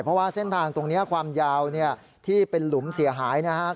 เพราะว่าเส้นทางตรงนี้ความยาวที่เป็นหลุมเสียหายนะครับ